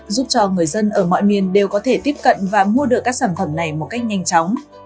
giúp cho người dân ở mọi miền đều có thể tiếp cận và mua được các sản phẩm này một cách nhanh chóng